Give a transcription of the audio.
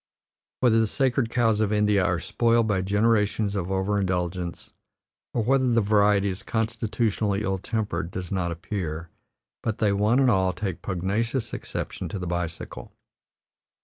Whether the sacred cows of India are spoiled by generations of overindulgence, or whether the variety is constitutionally evil tempered does not appear, but they one and all take pugnacious exception to the bicycle.